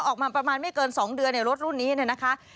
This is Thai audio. ออกมาประมาณไม่เกิน๒เดือนรถรุ่นนี้นะคะ